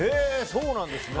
そうなんですよ！